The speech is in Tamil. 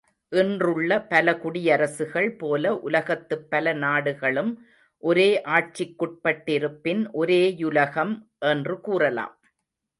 இன்றுள்ள பல குடியரசுகள் போல உலகத்துப் பல நாடுகளும் ஒரே ஆட்சிக் குட்பட்டிருப்பின் ஒரே யுலகம் என்று கூறலாம்.